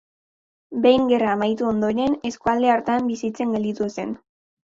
Behin gerra amaitu ondoren eskualde hartan bizitzen gelditu zen.